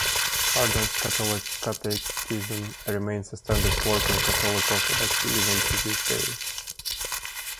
Hardon's "Catholic Catechism" remains a standard work on Catholic orthodoxy even to this day.